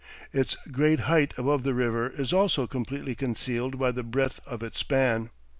Its great height above the river is also completely concealed by the breadth of its span.